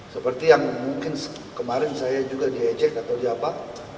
seperti yang mungkin kemarin saya juga diejek atau diapa